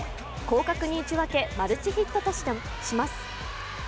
広角に打ち分け、マルチヒットとします。